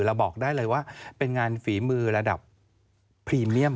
บอกได้เลยว่าเป็นงานฝีมือระดับพรีเมียม